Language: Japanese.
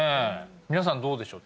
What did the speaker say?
皆さんどうでしょう？